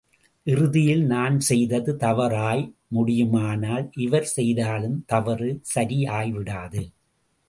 இறுதியில் நான் செய்தது தவறாய் முடியுமானால் இவர் செய்தாலும் தவறு சரி ஆய்விடாது.